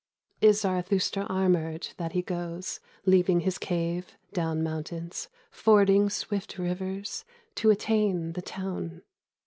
Is Zarathustra armoured that he goes Leaving his cave, down mountains, Fording swift rivers, to attain the town